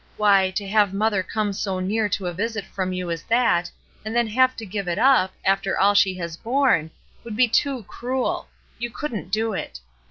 Why, to have mother come so near to a visit from you as that, and then have to give it up, after all she has borne, would be too cruel ; you couldn't do it.